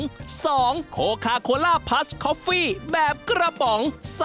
โคคาโคล่าพัสคอฟฟี่แบบกระป๋อง